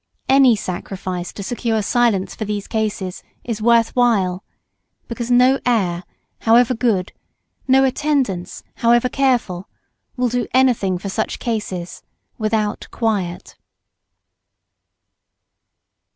Any sacrifice to secure silence for these cases is worth while, because no air, however good, no attendance, however careful, will do anything for such cases without quiet.